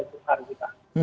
jadi kita harus berpikir pikir